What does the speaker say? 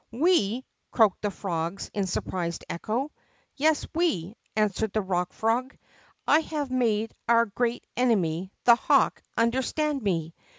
We !" croaked the frogs, in surprised echo. Yes, we! '' answered the Bock Frog. I have made our great enemy, the hawk, understand me.